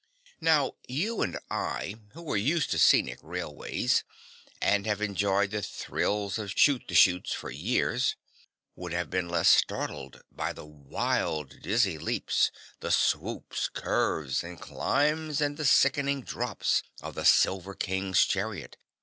Now, you and I, who are used to scenic railways and have enjoyed the thrills of chute the chutes for years, would have been less startled by the wild dizzy leaps, the swoops, curves and climbs, and the sickening drops of the Silver King's chariot.